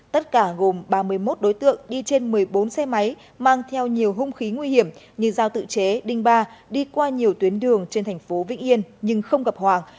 tất cả gồm ba mươi một đối tượng đi trên một mươi bốn xe máy mang theo nhiều hung khí nguy hiểm như giao tự chế đinh ba đi qua nhiều tuyến đường trên thành phố vĩnh yên nhưng không gặp hoàng